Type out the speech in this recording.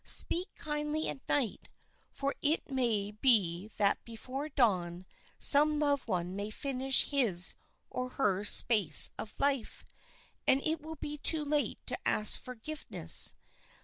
Speak kindly at night; for it may be that before dawn some loved one may finish his or her space of life, and it will be too late to ask forgiveness.